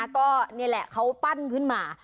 ก็นี่แหละเขาปั้นขึ้นมา